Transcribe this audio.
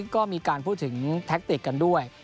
ก็มีการพูดถึงแท็กติกกันด้วย